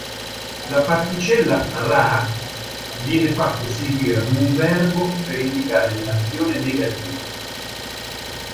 La particella "ra" viene fatta seguire ad un verbo per indicare un'azione negativa.